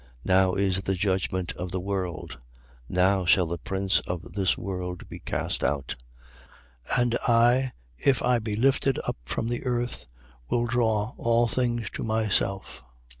12:31. Now is the judgment of the world: now shall the prince of this world be cast out. 12:32. And I, if I be lifted up from the earth, will draw all things to myself.